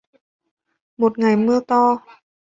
Một ngày mưa to